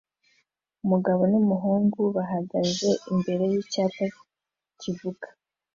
Umugabo n'umuhungu bahagaze imbere yicyapa kivuga